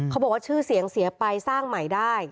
เขาบอกว่าชื่อเสียงเสียไปสร้างใหม่ได้